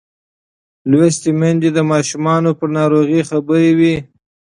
لوستې میندې د ماشوم پر ناروغۍ خبر وي.